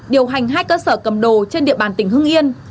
điều hành hai cơ sở cầm đồ trên địa bàn tỉnh hưng yên